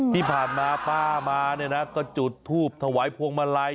ที่ผ่านมาป้ามาเนี่ยนะก็จุดทูบถวายพวงมาลัย